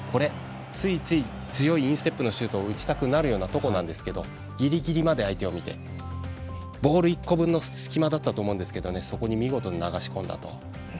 ついつい、強いインステップのシュートを打ちたくなるところなんですけどギリギリまで相手を見てボール１個分の隙間だったと思うんですけどそこに見事に流し込んだと。